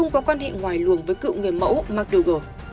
ông trump cũng không có quan hệ ngoài luồng với cựu người mẫu mcdougal